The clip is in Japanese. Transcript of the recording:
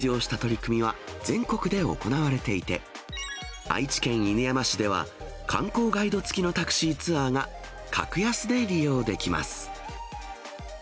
千葉県以外にも、観光庁の補助金を活用した取り組みは全国で行われていて、愛知県犬山市では、観光ガイド付きのタクシーツアーが格安で利用できます。